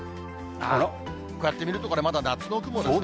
こうやって見るとまだ夏の雲ですね。